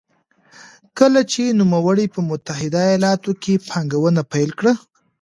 کله چې نوموړي په متحده ایالتونو کې پانګونه پیل کړه.